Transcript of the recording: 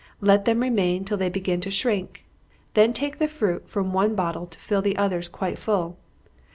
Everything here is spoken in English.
Let them remain till they begin to shrink, then take the fruit from one bottle to fill the others quite full.